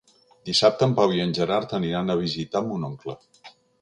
Dissabte en Pau i en Gerard aniran a visitar mon oncle.